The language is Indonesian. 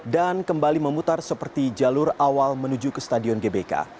dan kembali memutar seperti jalur awal menuju ke stadion gbk